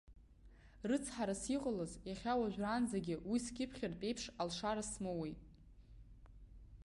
Рыцҳарас иҟалаз, иахьауажәраанӡагьы уи скьыԥхьыртә еиԥш алшара смоуит.